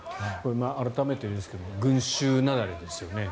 改めてですが群衆雪崩ですね